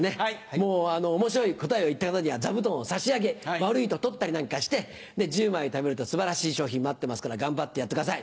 もう面白い答えを言った方には座布団を差し上げ悪いと取ったりなんかして１０枚ためると素晴らしい賞品待ってますから頑張ってやってください。